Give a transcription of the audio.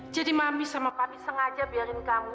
jadi mami sama papi sengaja biarin kamu